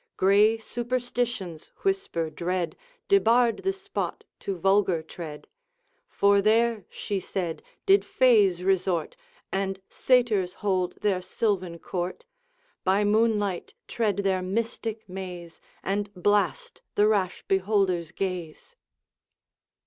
Gray Superstition's whisper dread Debarred the spot to vulgar tread; For there, she said, did fays resort, And satyrs hold their sylvan court, By moonlight tread their mystic maze, And blast the rash beholder's gaze.